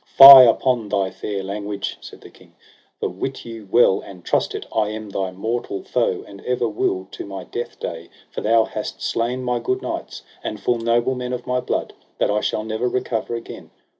Fie upon thy fair language, said the king, for wit you well and trust it, I am thy mortal foe, and ever will to my death day; for thou hast slain my good knights, and full noble men of my blood, that I shall never recover again.